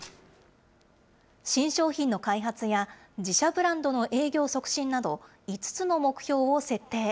新商品の開発や、自社ブランドの営業促進など、５つの目標を設定。